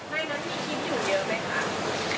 ในน้ำที่คิมอยู่เยอะไหมคะ